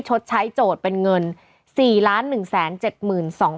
ชดใช้โจทย์เป็นเงินสี่ล้านหนึ่งแสนเจ็ดหมื่นสอง